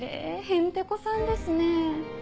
へんてこさんですね。